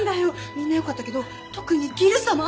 みんなよかったけど特にギルさま！